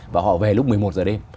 và họ về lúc một mươi một giờ đêm